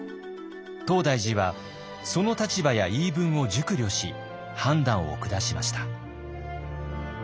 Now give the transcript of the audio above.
東大寺はその立場や言い分を熟慮し判断を下しました。